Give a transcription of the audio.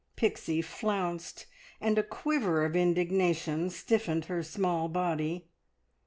Pixie flounced, and a quiver of indignation stiffened her small body.